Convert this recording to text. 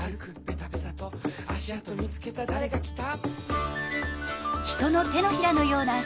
「あしあとみつけただれがきた？」